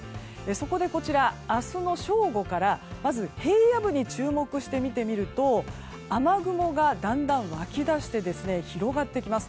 そこでこちら、明日の正午からまず平野部に注目して見てみると雨雲がだんだん湧き出して広がってきます。